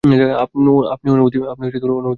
আপনি অনুমতি দেয়ার কে?